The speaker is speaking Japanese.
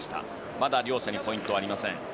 まだ両者にポイントはありません。